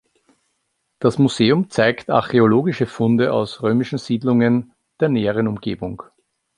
Das Museum zeigt archäologische Funde aus römischen Siedlungen der näheren Umgebung.